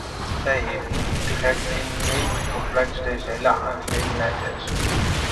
Zij heeft niet direct een idee hoe complex deze hele aangelegenheid is.